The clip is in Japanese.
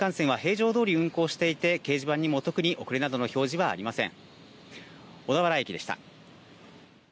東海道新幹線は平常どおり運行していて掲示板にも特に遅れなどの表示はありません。